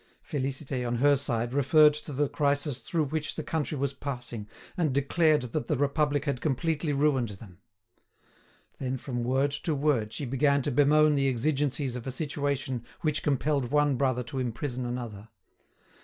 Félicité, on her side, referred to the crisis through which the country was passing, and declared that the Republic had completely ruined them. Then from word to word she began to bemoan the exigencies of a situation which compelled one brother to imprison another.